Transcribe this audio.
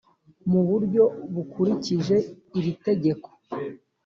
mu buryo bukurikije iri tegeko